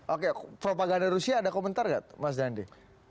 oke propaganda rusia ada komentar gak mas dandi